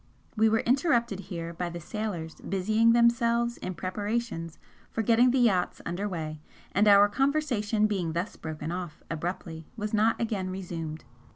We were interrupted here by the sailors busying themselves in preparations for getting the yacht under way, and our conversation being thus broken off abruptly was not again resumed.